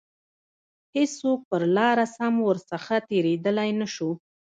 هیڅوک پر لاره سم ورڅخه تیریدلای نه شو.